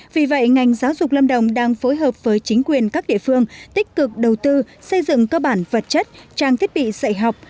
vì vậy ngành giáo dục lâm đồng đang phối hợp với chính quyền các địa phương tích cực đầu tư xây dựng cơ bản vật chất trang thiết bị dạy học